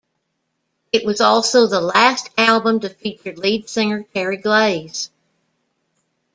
It was also the last album to feature lead singer Terry Glaze.